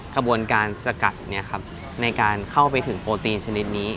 ขบวนการสกัดในการเข้าไปถึงโปรตีนชนิดนี้